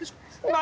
何？